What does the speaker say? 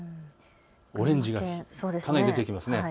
オレンジがかなり出てきます。